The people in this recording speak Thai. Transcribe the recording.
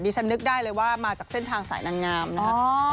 ฉันนึกได้เลยว่ามาจากเส้นทางสายนางงามนะครับ